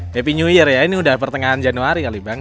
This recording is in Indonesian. happy new year ya ini udah pertengahan januari kali bang